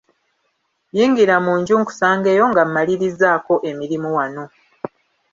Yingira mu nju nkusangeyo nga malirizzaako emirimu wano.